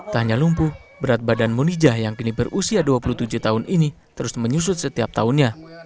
tak hanya lumpuh berat badan munijah yang kini berusia dua puluh tujuh tahun ini terus menyusut setiap tahunnya